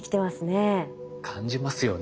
感じますよね。